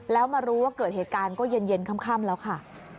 แล้วมารู้ว่าเกิดเหตุการณ์ก็เย็นค่ำแล้วค่ะ